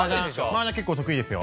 麻雀結構得意ですよ。